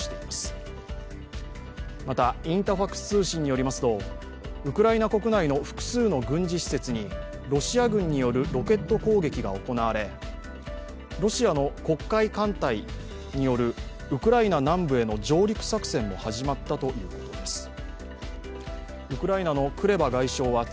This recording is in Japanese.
また、インタファクス通信によりますと、ウクライナ国内の複数の軍事施設にロシア軍によるロケット攻撃が行われロシアの黒海艦隊によるウクライナ南部への上陸作戦も始まったということです。